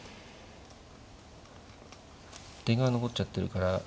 銀が残っちゃってるから。